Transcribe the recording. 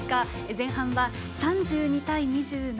前半は３２対２７。